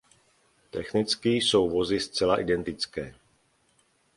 Technicky jsou vozy zcela identické.